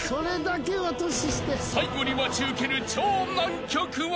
［最後に待ち受ける超難曲は］